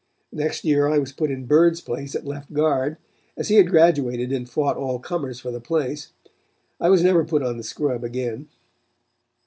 The next year I was put in Bird's place at left guard, as he had graduated and fought all comers for the place. I was never put on the scrub again.